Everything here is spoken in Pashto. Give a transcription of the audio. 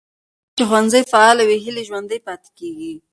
هر هغه ځای چې ښوونځي فعال وي، هیلې ژوندۍ پاتې کېږي.